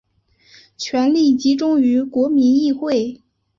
权力集中于国民议会。